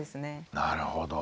なるほど。